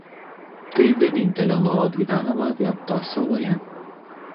Tai vienintelė nuolat gyvenama vieta saloje.